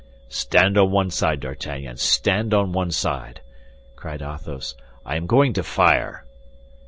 "Stand on one side, D'Artagnan, stand on one side," cried Athos. "I am going to fire!"